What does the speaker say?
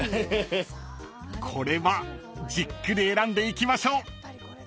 ［これはじっくり選んでいきましょう］